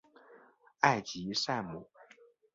埃吉赛姆。